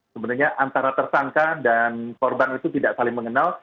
sebenarnya antara tersangka dan korban itu tidak saling mengenal